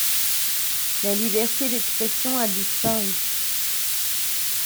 La liberté d’expression a disparu.